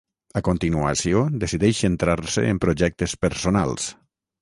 A continuació, decideix centrar-se en projectes personals.